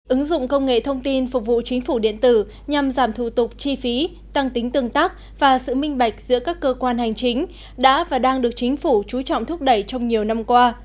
ứng dụng công nghệ thông tin phục vụ chính phủ điện tử nhằm giảm thủ tục chi phí tăng tính tương tác và sự minh bạch giữa các cơ quan hành chính đã và đang được chính phủ chú trọng thúc đẩy trong nhiều năm qua